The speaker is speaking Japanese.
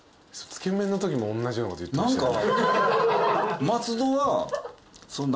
つけ麺のときもおんなじようなこと言ってました。